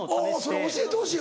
それ教えてほしい。